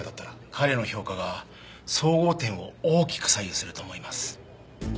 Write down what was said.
彼の評価が総合点を大きく左右すると思います。